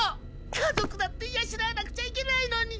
家族だって養わなくちゃいけないのに。